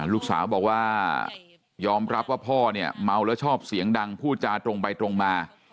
ลูกสาวบอกว่ายอมรับว่าพ่อเนี่ยเมาแล้วชอบเสียงดังพูดจาตรงไปตรงมา